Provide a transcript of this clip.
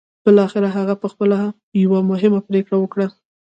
بالاخره هغه پخپله يوه مهمه پرېکړه وکړه.